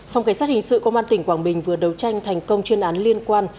phòng cảnh sát hình sự công an tỉnh quảng bình vừa đấu tranh thành công chuyên án liên quan